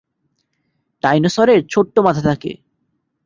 ডাইনোসরের ছোট্ট মাথা থাকে।